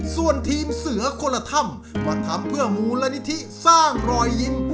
ความทำเพื่อหมู่ละนิทิสร้างรอยยิ้ม